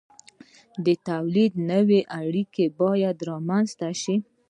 د تولید نوې اړیکې باید رامنځته شي.